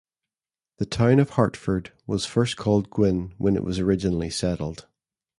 The town of Hartford was first called Gwynn when it was originally settled.